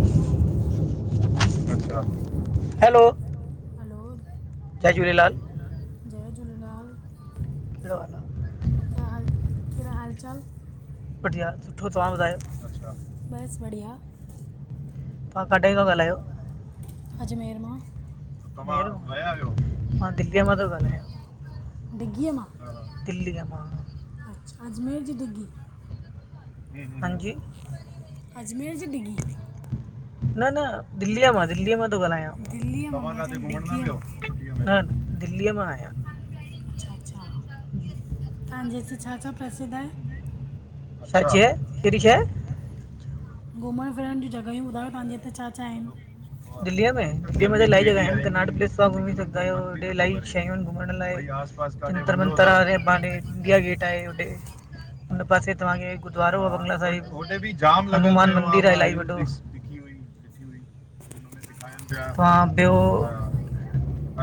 हलो अच्छा hello hello जय झूलेलाल कहिड़ो हाल आ? क्या हाल? कहिड़ो हाल चाल? बढ़िया सुठो, तव्हां ॿुधायो तव्हां किथां पिया ॻाल्हायो? अजमेर मां मां दिल्लीअ मां थो ॻाल्हायां। दिल्ली [unintelligible] अच्छा अजमेर जी डिगी हां जी अजमेर जी [unintelligible] न न दिल्लीअ मां दिल्लीअ मां दिल्लीअ मां आहियां अच्छा अच्छा तव्हांजे हिते छा छा प्रसिद्ध आहे? छा चयुव? कहिड़ी शइ? घुमण फिरण जूं जॻहियूं ॿुधायो, तव्हांजे हिते छा छा आहिनि? दिल्लीअ में, दिल्लीअ में त इलाही जॻहियूं आहिनि। कनॉट प्लेस तव्हां घुमी सघंदा आहियो हिते इलाही शयूं आहिनि घुमण लाइ जंतर बंतर आ माने इंडिया गेट आहे हुते हुन पासे तव्हां खे गुरुद्वारो आहे बंगला साहिब हनुमान मंदर आहे इलाही वॾो हा ॿियो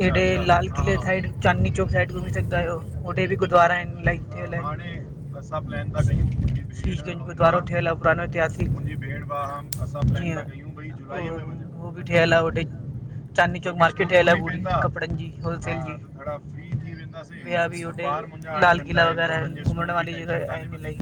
हिते लाल किले साइड चांदनी चौक साइड घुमी सघंदा आहियो। ओॾे बि गुरुद्वारा आहिनि इलाही। हाणे असां प्लैन था कयूं गुरुदारो ठहियल आहे। उहो बि ठहियल आहे हुतू चांदनी चौक मार्केट ठहियिल आहे कपड़नि जी होलसेल जी। विया बि हुते लाल किला घुमण वारी जॻहियूं आहिनि इलाही।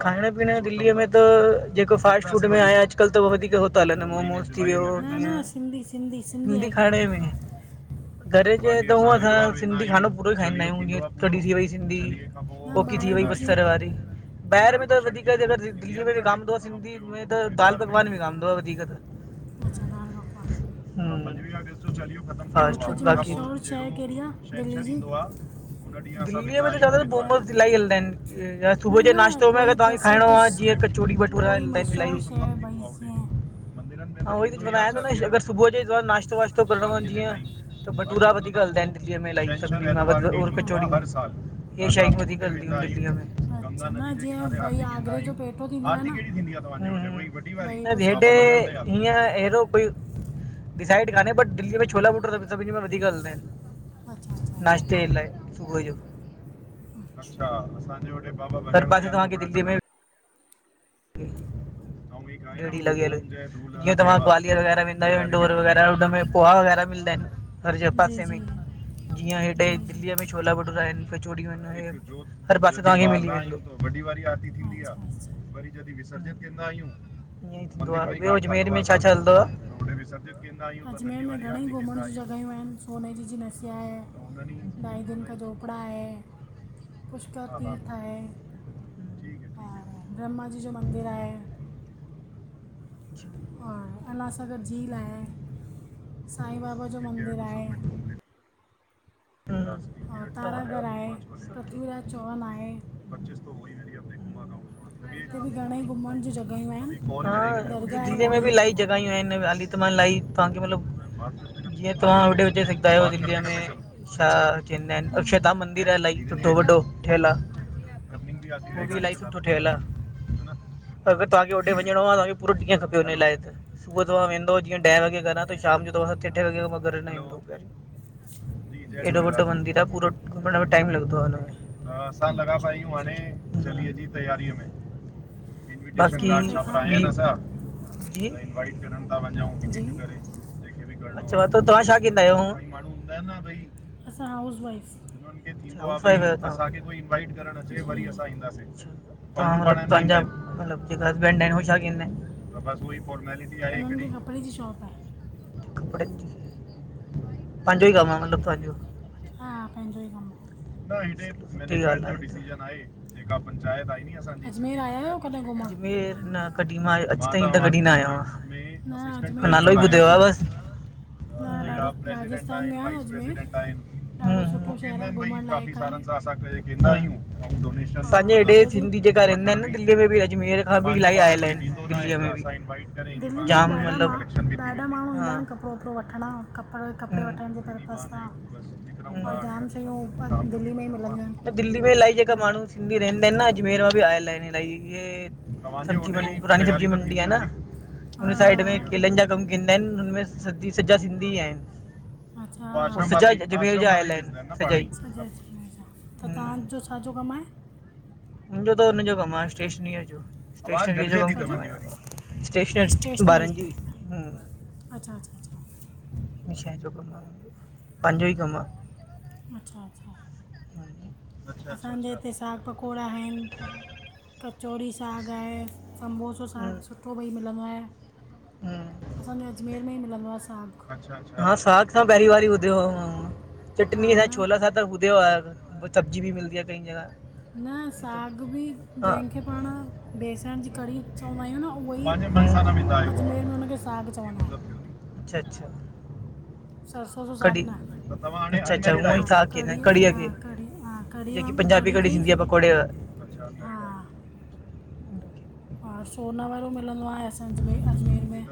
खाइण पीअण जो दिल्लीअ में त जेको फास्ट फूड में आहे अॼु कल्ह अॼु कल्ह त उहो ई वधीक थो हले न मोमोस थी वियो सिंधी खाइण में घर जे त ऊअं असां सिंधी खानो पूरो ई खाईंदा आहियूं जीअं कढ़ी थी वई सिंधी कोकी थी वई बसर वारी बाहिरि में त वधीक दिल्ली में विकामंदो आहे सिंधी में त दालि पकवान विकामंदो आहे वधीक त अच्छा दाल पकवान छंछरु ईंदो आहे दिल्लीअ में त ज्यादातर मोमोस इलाही हलंदा आहिनि। सुबुह जे नाश्त में तव्हांखे खाइणो आ जीअं कचौड़ी भटूरा आहिनि भई इलाही। [unintelligible] अगर सुबुह जो नाश्तो वाश्तो करणो हुजे जीअं त भटूरा वधीक हलदा आहिनि दिल्ली में इलाई उहा कचौड़ी ही शयूं वधीक हलंदियूं आहिनि। गंगा नदी जे किनारे आरती। हेडे ईअं एरो कोई डिसाइड कान्हे बट दिल्लीअ में छोला भटूरा सभिनी खां वधीक हलंदा आहिनि। नाश्ते जे लाए सुबुह जो अच्छा असांजे [unintelligible] दिल्ली में [inaudible] जीअं तव्हां ग्वालियर वग़ैरह वेंदा आहियो इंदोर वग़ैरह उनमें पोहा वग़ैरह मिलदा आहिनि हर जे पासे में जीअं हेॾे दिल्लीअ में छोला भटूरा आहिन। कचौड़ी हर पासे तवांखे मिलि वेंदो। ॿियो अजमेर में छा छा हलदो आ? अजमेर में घणेई घुमण जी जॻहियूं आहिनि सोने जी जी नसिया आहे। ढाई दिन का झोपड़ा है, पुष्कर तीर्थ आहे। हा हा ब्रह्मा जी जो मंदिर आहे। और उल्हास नगर झील आहे। साईं बाबा जो मंदिर आहे। [unintelligible] हा दिल्लीअ में बि इलाही जॻहियूं आहिन। त मां इलाही तव्हांखे मतिलब जीअं तव्हां हेॾे होॾे सिखदा आहियो दिल्लीअ में छा चईंदा आहिन अक्षर धाम मंदिर आहे इलाही सुठो वॾो ठयल आहे। उहो बि इलाई सुठो ठयल आ। अगरि तव्हांखे होॾे वञणो आ, तव्हांखे पूरो ॾींह खपे हुन लाइ त सुबह त्हां वेंदो जीअं ॾह वॻे घरां त शाम जो [unintelligible] एॾो वॾो मंदर आहे पूरो घुमण में टाइम लॻदो आहे हुनमें त असां लॻा पिया आहियूं हाणे चलीए जी तैयारीअ में बाकी ही जी इनवाइट करण ता वञे हिक हिक करे चओ तव्हां छा कंदा आहियो? असां हाउस वाइफ असांखे कोई इंवाइट करणु अचे वरी असां ईंदासीं। हा तवांजा मतलब जेके हसबैंड आहिन चए छा कंदा आहिन? फॉर्मेलिटी आहे हिकड़ी कपड़े यो पांजो ई कम आ। हा पंहिंजो ई कमु आ। सुठी ॻाल्ह आ। अजमेर न कॾहिं मां अॼु ताईं त कॾहिं न आयो आहियां। नालो ही बुधयो आ बस जेड़ा प्रेसडेंट आइन वाइस प्रेसडेंट आइन उहे चवंदा आहिनि के भई काफ़ी सालनि सां असां [unintelligible] आहियूं। असांजे हेॾे सिंधी जेका रहंदा आहिनि न दिल्लीअ में बि अजमेर खां बि इलाही आयल आहिनि। [unintelligible] जाम मतलब हा हूं [unintelligible] दिल्ली में इलाही जेका माण्हू सिंधी रहंदा आहिनि न अजमेर मां बि आयल आहिनि। न न इलाई हे सब्जी मंडी पुराणी सब्जी मंडी आहे न हुन साइड में केलनि जा कमु कईंदा आहिनि, हुनमें सॼ सॼा सिंधी आहिनि। सॼा अजमेर जा ई आयल आहिन सजाई त तव्हांजो छा जो कम आहे। मुंहिंजो त हुनजो कम आहे स्टेशनरीअ जो। [inaudible] स्टेशन बारंजी। अच्छा अच्छा अच्छा छइ जो कमु आहे पंहिंजो ई कमु आ। अच्छा अच्छा अच्छा अच्छा अच्छा। कचौरी साग आहे। सम्बोसो साग सुठो भई मिलंदो आहे। असांजे अजमेर में ई मिलंदो आहे साग। पहिरी वारी ॿुधयो आहे। चटनी सां छोला खादा ॿुधयो आहे। सब्जी बि मिलंदी आहे कई जॻह। न साॻ बि। जेंहंखे पाण बेसण जी कढ़ी चवंदा आहियूं न उहो ही। अजमेर में उनखे साॻ चवंदा आहिन। अच्छा अच्छा। सरसो जो साग न त त्वां हांडे। अच्छा अच्छा [unintelligible] कड़ीअ खे जेकी पंजाबी कड़ी थींदी आहे पकोड़े। जनडाइ [inaudible] हा सोना वारो मिलंदो आहे एसेंस भी अजमेर में।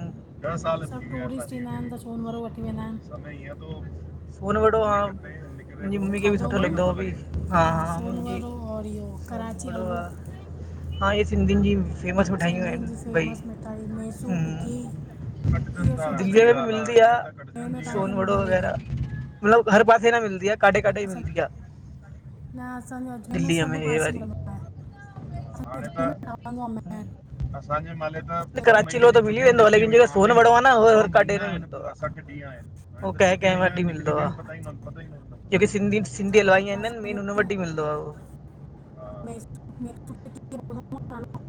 ङ साल थी विया शादी खे। समय ईय त। सोन वडो आ। [inaudible] मुंहिंजी मम्मी खे बि सुठो लॻंदो आ। हा हा मुंजी। सोन वॾो आह। हा हे सिंधिन जी फेमस मिठाईयूं आहिन। बई हूं। दिल्ली में बि मिलंदी आहे। सोन वडो वगैरह। मतलब हर पासे न मिलंद आहे। काॾे काॾे ई मिलंदी आहे। दिल्ली में हे वारी। अ [inaudible] मिली वेंदो सोन [inaudible] क [unintelligible] केंह केंह वट ही मिलंदो आहे। सिंधी सिंधी हलवाई आहिन न मेन हुन वट ई मिल मेक्सो प्रधान ताला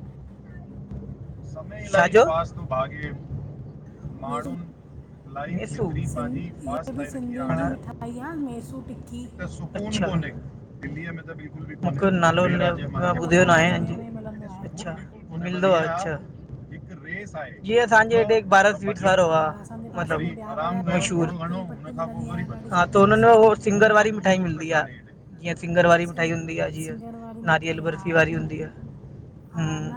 हा दिल्ली मे भी मिलदी आ। [inaudible] [unintelligible] छा जो? लाइफ पांजी एडी फास्ट करे रखी आहे। कि सुकुन कोने। अच्छा। दिल्ली में [unintelligible] नालो ॿुधियो न आहे अच्छा। मिलंदो आहे अच्छा। [unintelligible] जी असजे हेठ भार आराम कयो [inaudible] घर वारी मिठाई मिलंदीआहे। जीअं सिंगर वारी मिठाई हूंदी आहे। जीअं नारियल बर्फी वारी हूंदी आहे। हा न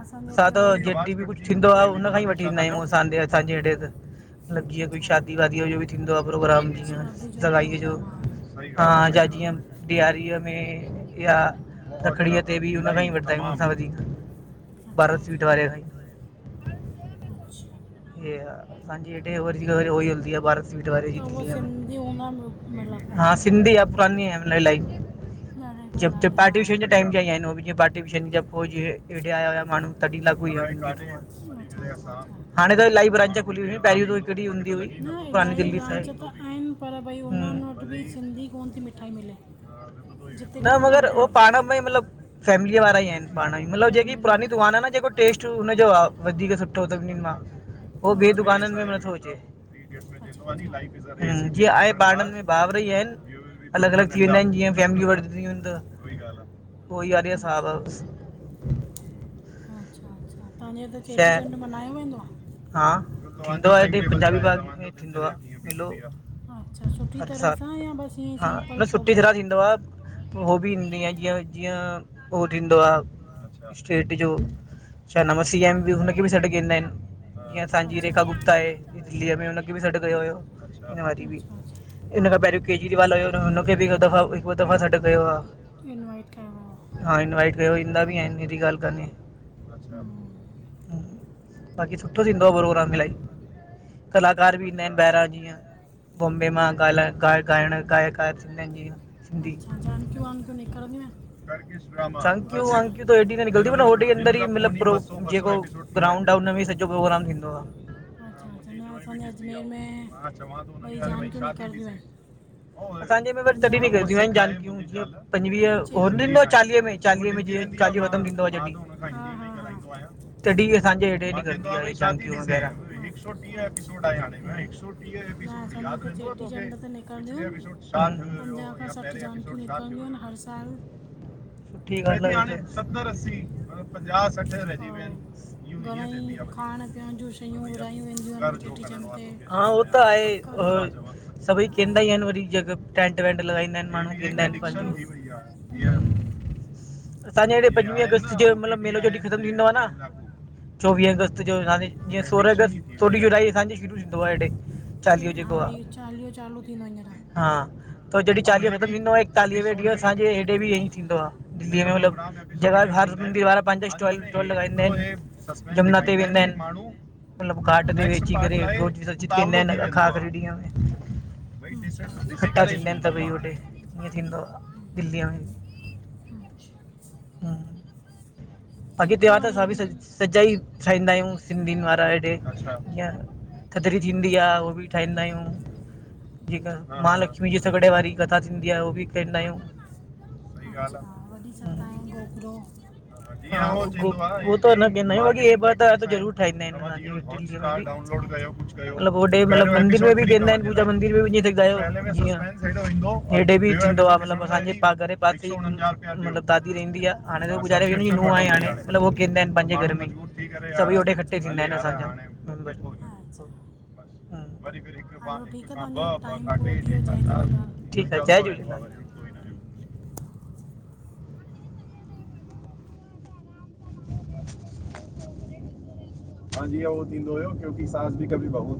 असां त हा त जॾी बि कुछ थींदो आहे त हुन खां ई वठी ईंदा आहियूं असांजे असांजे हेेॾे त। लॻ आहे कोई [unintelligible] शादी वादीअ जोबि थींदो आहे। प्रोग्राम जीअं सॻाई। जो हा जा जीअं ॾियारी में या थदड़ीअ ते बि हुनखां ई वठदा आहियूं हुनसां वधीक। भारत स्वीट वारे खा अच्छा हे आ असांजी हेॾे वरी वधिक अची हलदी आहे बारत स्वीट वारे जी। हा सिंधी [unintelligible] या पुरानी हल जब पार्टी विशन टाइम जा आहिनिअ पार्टी वन ज हेॾे आया हुया माण्हू [unintelligible] तॾी लाकू ही आ। हाड़े न त इल्हाई ब्रांचा खुली वयुम आहिंन [unintelligible] हुई प कहिड़ी हूंदी हुई पुरानी दिल्ली सां ही हूं। हिक बि सिंधी मिठाई कोन ती मिले। न मगर हो पाण में मतलब फैमिली वारा ई आहिन पाण मे मतलब जेकी पुराणी दुकान आहे न। जेको टेस्ट हुनजो आ। वधीक सुठो सभनिन मां। हो ॿी दुकाननि में बि नथो अचे जीअं आहे पाण में भाावर ई आहिन। अलॻ अलॻ थी वेंदा आहिन जीअ फमिलियूं वधंदी आहिन त। ओई ॻाल्हि आ कोई यारह साल अच्छा अच्छा तव्हांजे हुते चेटीचंड मनहायो वेंदो हा थींदो आहे हिते पंजाबी बाग में थींदो आ मेलो अच्छा सुठी तरह सां या बसि हा न सुठी तरह थींदो आहे हो बि ईंदी आहे जिंअ जिंअ उहो ॾीन्दो आ स्टेट जो छा नमसीआन ॿियो हुन खे बि सॾु कंदा आहिनि जीअं असांजी रेखा गुप्ता आहे दिल्लीअ में हुनखे बि सॾु कयो हुयो नारी बि हिन खां पहिंरीं हुन खे बि हिकु ॿ दफ़ा हिकु ॿ दफ़ा सॾु कयो आहे हा इन्वाईट हू ईंदा बि आहिनि एहिॾी ॻाल्हि काने बाक़ी सुठो थींदो प्रोग्राम इलाही कलाकार बि ईंदा आहिनि ॿाहिरां जीअं बॉम्बे मां ॻाल्हा ॻाल्हयण गायका थींदा आहिन जिंअ अच्छा, झांकिंयू वांकिंयू निकरंदीयू आहिन? झांकियूं वांकियू त एॾी न निकरदियूं पर होडे हि अंदर ई मतलब अंदर जेको ब्राउन टाउन में ही सॼो प्रोग्राम थींदो आ। हा मुंहिंजी जोई बि ॾिसंदी आहे उहो, मां चवां थो हुनखे अरे भई छा थी ॾिसें? असांजे में बस तॾहिं बि गॾजियूं आहिंन झांकियूं [unintelligible] पंजवीह कोन ॾींनो चालीहे में चालीहे में जिंअ चालीहो खतम थींदो आ जॾहिं नूंह सां मा हिंदीअ में ही ॻाल्हाइंदो आहिंया तॾि असांजे हेडे सिंधीअ में परेशानी वगैरह, हिक सौ टीह एपिसोड आहे हाणे, हिक सौ टीह एपिसोड यादि रहंदो आहे तोखे? पिछले एपिसोड छा वियो? एं या पहिंरे एपिसोड छा थियो हो? ठीक आ न हाणे सत्तर अस्सी मतलब पंजाह सठ रहिजी विया आहिनि यो हींअ चइंदी आ वरी, हां भैया कर जो करणो आ तोखे हां हो त आहे छा चवां? सभई चइंदा ई आहिन वरी जेके टैंट-वैंट लॻाईंदा आहिनि माण्हू चवंदा आहिन वॾी थी वई आ धीअ असांजे हेॾे पंजवीह अगस्त जो मतलबु मेलो जॾहिं ख़तमु थींदो आ न चोवीह अगस्त जो राणी जीअं सोरहं अगस्त, चोॾहीं जुलाई असांजी शुरू थींदो आहे हेॾे चालीहो जेको आ ही मञणा त जॾहिं चालीहो खतम थींदो आहे एकतालीहवें ॾींह असांजे हेॾे बि ईंअ ईं थींदो आ, दिल्लीअ में मतलब जॻह सिंधी वारा पाहिंजा स्टॉल, स्टॉल लॻाईंदा आहिन। जमुना ते वेंदा आहिन माण्हू मतलब घाट ते वेझी करे [unintelligible] ॾींअ में इकट्ठा थींदा आहिन सभई होॾे, ईंअ थींदो आ दिल्लीअ में। अच्छा अॻे त्योहार त असां भी ठाइंदा आहियूं सिंधियुनि वारा हेॾे यांं थदरी थींदी आ उहा बि ठाइंदा आहियूं। जेका महालक्ष्मी जे सॻिड़े वारी कथा थींदी आ उहो बि कंदा आहियूं। अच्छा वॾी सतंए गोगरो। हा हो त न कंदा आहिंयूं बाकी हे ॿ त अज जरूर ठाहिंदा आहिन कार्ड डाउनलोड कयो कुझु कयो होॾे मतलब मंदिर में बि वेंदा आहिन पूजा मंदिर में बि वञी सगदा आहियो जीअं हेॾे बि थींदो आ। मतलबु असांजे घर पासे मतबल दादी रहंदी आ हाणे त हूअ गुज़ारे वई हाणे नूंह आहे हाणे मतलब हो केंदा आहिन पाहिंजे घर में ई सभई ओॾे कट्ठे थींदा आहिनि असांजा वरी बि हिक खा ॿॿ खां टे टे खां चारि ठीक है जय झूलेलाल [inaudible] हा जींअ उहो थींदो हुयो क्योकी सास भी कभी बहु